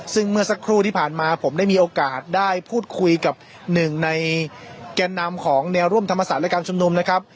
ซึ่งเมื่อสักครู่ที่ผ่านมาผมได้มีโอกาสได้พูดคุยกับหนึ่งในแก่นนำของแนวร่วมธรรมศาสตร์และการชุมนุมนะครับ